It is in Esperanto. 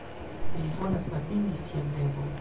Ri volas atingi sian revon.